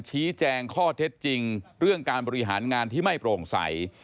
ชี้แจงข้อเท็จจริงเรื่องการบริหารงานที่ไม่โปร่งใส